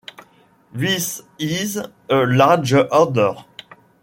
This is a large order.